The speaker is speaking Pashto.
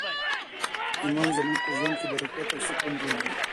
ایمان زموږ په ژوند کي برکت او سکون راولي.